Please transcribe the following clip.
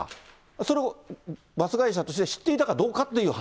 それをバス会社として知っていたかどうかという話。